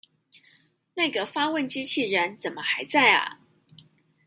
那個發問機器人怎麼還在阿